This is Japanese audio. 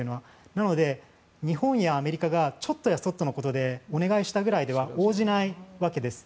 なので日本やアメリカがちょっとやそっとのことでお願いしたくらいでは応じないわけです。